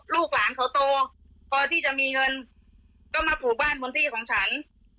ลูกหลานเขาโตพอที่จะมีเงินก็มาปลูกบ้านบนที่ของฉัน